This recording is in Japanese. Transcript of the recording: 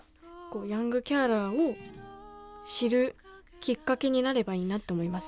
ヤングケアラーを知るきっかけになればいいなって思います